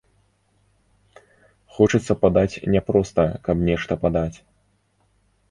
Хочацца падаць не проста, каб нешта падаць.